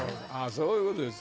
そういうことですか。